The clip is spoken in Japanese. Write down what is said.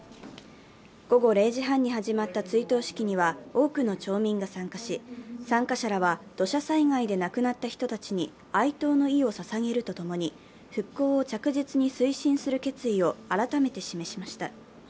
午後０時半に始まった追悼式には多くの町民が参加し、参加者らは土砂災害で亡くなった人たちに哀悼の意をささげるとともに復興を着実に推進する決意を改めて示しました。